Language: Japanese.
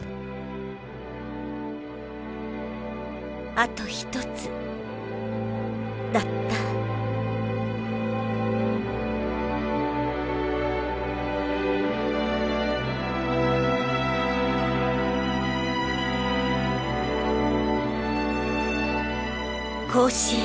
あとひとつだった甲子園